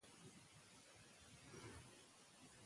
چي د چا له کوره وزمه محشر سم